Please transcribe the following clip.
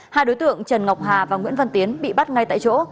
hai đối tượng trần ngọc hà và nguyễn văn tiến bị bắt ngay tại chỗ